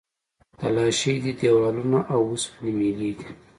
تلاشۍ دي، دیوالونه او اوسپنې میلې دي.